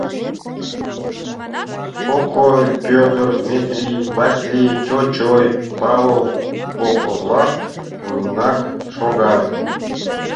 Покой, Пӧтыр, Метри Васли, Чочой Павыл колхозлан вуйынак шогат.